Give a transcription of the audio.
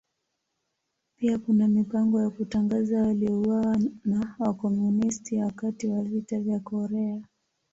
Pia kuna mipango ya kutangaza waliouawa na Wakomunisti wakati wa Vita vya Korea.